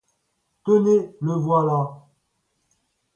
Tenez, le voilà.